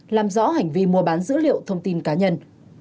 làm rõ hành vi mua bán dữ liệu thông tin cá nhân